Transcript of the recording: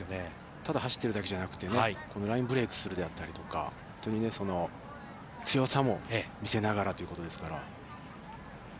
ただ走っているだけじゃなくて、このラインブレイクするであったりとか本当に強さも見せながらということですから。